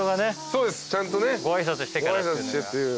そうですちゃんとねご挨拶してっていう。